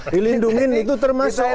dilindungi itu termasuk